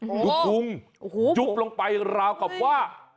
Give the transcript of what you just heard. โอ้โหดูพุงโอ้โหจุบลงไปราวกับว่า